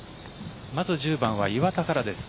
まず１０番は岩田からです。